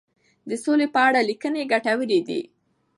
د سولي په اړه لیکنې ګټورې دي.